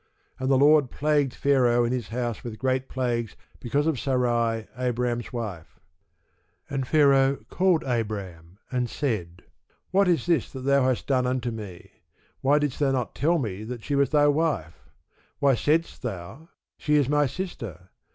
And the Lord plagued Pharaoh and his house with great plagues because of Sarai, Abram's wife. And Pharaoh called Abram, and said, What is this that thou hast done unto me? why didst thou not tell me that she was thy wife? Why saidst thou, She is my sister?